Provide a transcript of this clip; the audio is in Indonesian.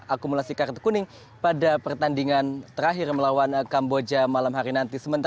akumulasi kartu kuning pada pertandingan terakhir melawan kamboja malam hari nanti